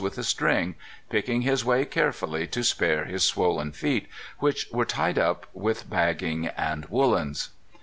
247 with a string, picking his way carefully to spare his swollen feet, which were tied up with bagging and woolens.